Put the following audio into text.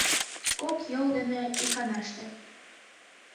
Кок йол дене иканаште.